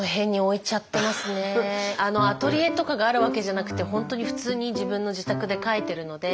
アトリエとかがあるわけじゃなくて本当に普通に自分の自宅で描いてるので。